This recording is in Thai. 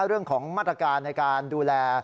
เรื่องของมาตรการในการดูแล